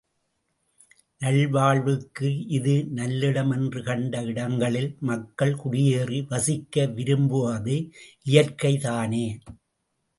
நல் வாழ்வுக்கு இது நல்லிடம் என்று கண்ட இடங்களில், மக்கள் குடியேறி வசிக்க விரும்புவது இயற்கை தானே!